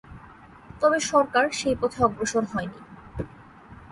তবে সরকার সেই পথে অগ্রসর হয়নি।